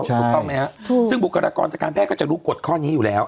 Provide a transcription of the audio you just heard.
ถูกต้องไหมฮะซึ่งบุคลากรทางการแพทย์ก็จะรู้กฎข้อนี้อยู่แล้ว